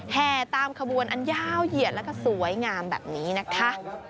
แห่ตามขบวนอันยาวเหยียดแล้วก็สวยงามแบบนี้นะคะ